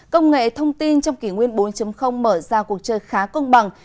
công nghệ thông tin trong kỷ nguyên bốn mở ra cuộc chơi khá công bằng